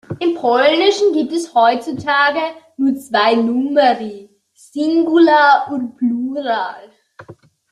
Im Polnischen gibt es heutzutage nur zwei Numeri: Singular und Plural.